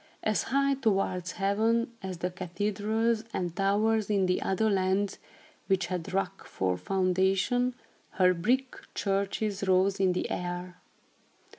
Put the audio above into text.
As high towards heaven as the cathedrals and towers in other lands, which had rock for foundation, her brick churches rose in the air.